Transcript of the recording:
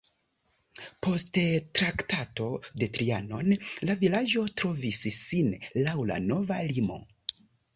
Post Traktato de Trianon la vilaĝo trovis sin laŭ la nova limo.